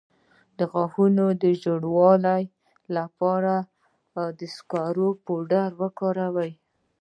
د غاښونو د ژیړوالي لپاره د سکرو پوډر وکاروئ